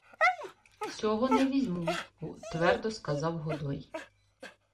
— Сього не візьму, — твердо сказав Годой.